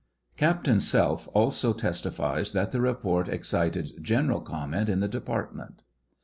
Captain Selph also testifies that the report excited general comment in the department.